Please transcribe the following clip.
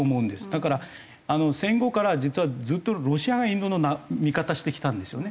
だから戦後から実はずっとロシアがインドの味方してきたんですよね。